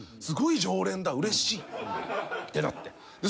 すごい常連だうれしいってなって。